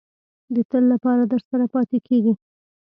د تل لپاره درسره پاتې کېږي.